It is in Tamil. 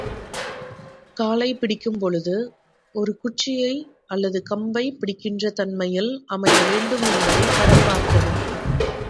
காலைப் பிடிக்கும்பொழுது, ஒரு குச்சியை அல்லது கம்பைப் பிடிக்கின்ற தன்மையில் அமைய வேண்டும் என்பதை படம் பார்க்கவும்.